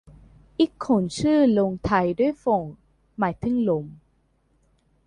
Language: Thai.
อีกคนชื่อลงท้ายด้วยฟง หมายถึงลม